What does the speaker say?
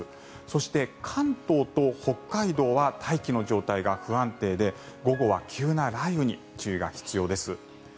そして、関東と北海道は大気の状態が不安定で、午後は急な雷雨に注意が必要です。